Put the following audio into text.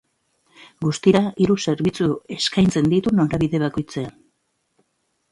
Guztira hiru zerbitzu eskaintzen ditu norabide bakoitzean.